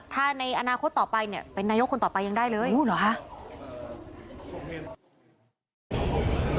ถ้าในอนาคตต่อไปเนี่ยเป็นนายกคนต่อไปยังได้เลยเหรอคะ